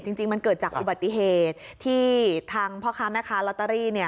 จริงมันเกิดจากอุบัติเหตุที่ทางพ่อค้าแม่ค้าลอตเตอรี่เนี่ย